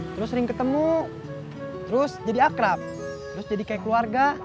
terus sering ketemu terus jadi akrab terus jadi kayak keluarga